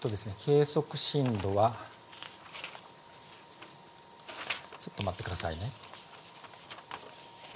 計測震度は、ちょっと待ってくださいね。